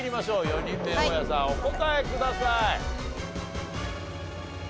４人目大家さんお答えください。